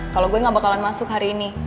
kalau gue gak bakalan masuk hari ini